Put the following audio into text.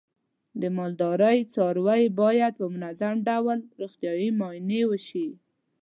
د مالدارۍ څاروی باید په منظم ډول روغتیايي معاینې وشي.